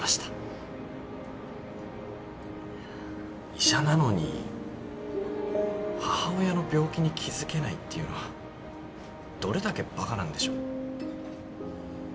医者なのに母親の病気に気付けないっていうのはどれだけバカなんでしょう。